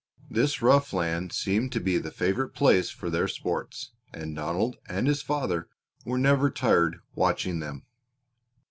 This rough land seemed to be the favorite place for their sports, and Donald and his father were never tired watching them.